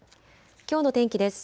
きょうの天気です。